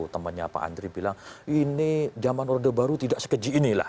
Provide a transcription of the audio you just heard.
temannya pak andri bilang ini zaman order baru tidak sekeji ini lah